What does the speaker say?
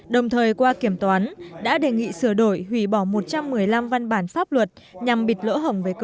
đồng thời qua kiểm toán đã đề nghị sửa đổi hủy bỏ một trăm một mươi năm văn bản pháp luật nhằm bịt lỡ hỏng về cơ chế